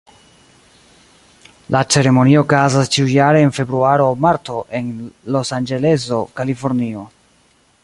La ceremonio okazas ĉiujare en februaro aŭ marto, en Losanĝeleso, Kalifornio.